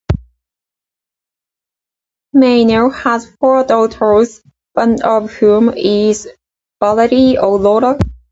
Meinel has four daughters, one of whom is Valerie Aurora.